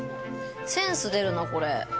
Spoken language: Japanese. センス出るな、これ。